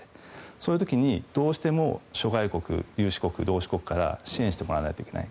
そういう時にどうしても諸外国有志国、同志国から支援してもらわないといけない。